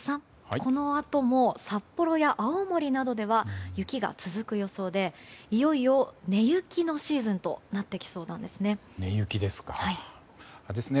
このあとも札幌や青森などでは雪が続く予想でいよいよ根雪のシーズンとなってきそうなんですね。